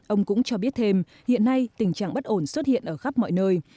ông cũng cho biết thêm hiện nay tình trạng bất ổn xuất hiện ở khắp mọi nơi